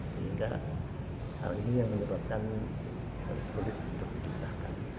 sehingga hal ini yang menyebabkan sulit untuk dipisahkan